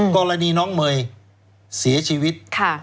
กรณีน้องเมย์เสียชีวิต